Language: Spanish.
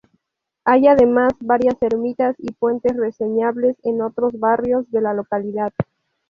Hay además varias ermitas y puentes reseñables en otros barrios de la localidad.